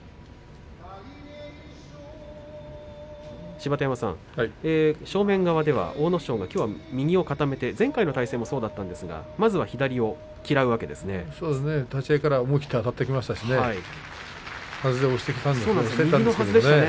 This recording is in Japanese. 芝田山さん、正面側では阿武咲がきょうは右を固めて前回もそうだったんですが立ち合いから思い切ってあたりましたね。